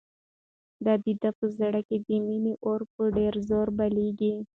د ده په زړه کې د مینې اور په ډېر زور بلېږي.